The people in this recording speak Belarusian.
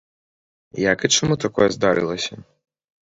Як і чаму такое здарылася?